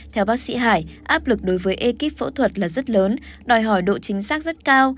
theo bác sĩ hải áp lực đối với ekip phẫu thuật là rất lớn đòi hỏi độ chính xác rất cao